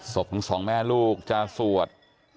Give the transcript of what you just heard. ศพของสองแม่ลูกจะสวด